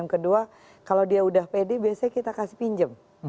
kedua kalau dia udah pede biasanya kita kasih pinjam